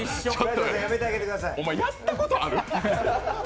お前、やったことある？